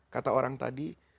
kata orang tadi